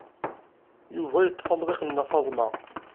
Yuba yeṭṭef amḍiq n Nna Faḍma.